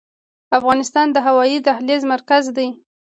افغانستان د هوایي دهلیز مرکز دی؟